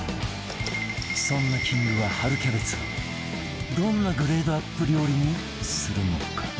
そんなキングは春キャベツをどんなグレードアップ料理にするのか？